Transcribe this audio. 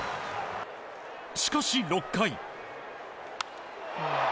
しかし６回。